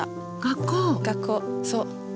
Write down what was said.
学校そう。